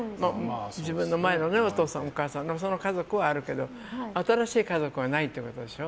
自分の前のお父さん、お母さんその家族はあるけど新しい家族はないってことでしょ。